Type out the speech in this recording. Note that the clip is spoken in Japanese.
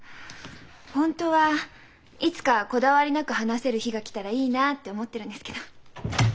本当はいつかこだわりなく話せる日が来たらいいなあって思ってるんですけど。